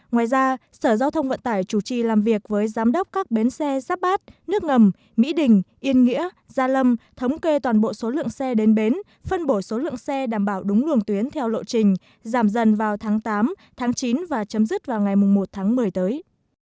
ngoài ra sở giao thông vận tải chủ trì làm việc với giám đốc các bến xe giáp bát nước ngầm mỹ đình yên nghĩa gia lâm thống kê toàn bộ số lượng xe đến bến phân bổ số lượng xe đảm bảo đúng luồng tuyến theo lộ trình giảm dần vào tháng tám tháng chín và chấm dứt vào ngày một tháng một mươi tới